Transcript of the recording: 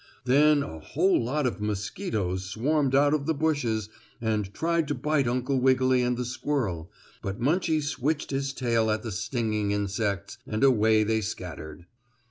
Then a whole lot of mosquitoes swarmed out of the bushes and tried to bite Uncle Wiggily and the squirrel, but Munchie switched his tail at the stinging insects, and away they scattered.